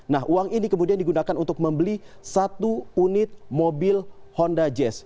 nah uang ini kemudian digunakan untuk membeli satu unit mobil honda jazz